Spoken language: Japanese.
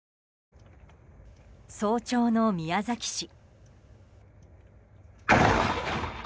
早朝の宮崎市。